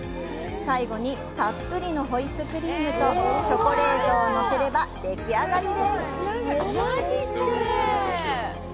最後に、たっぷりのホイップクリームとチョコレートをのせればでき上がりです。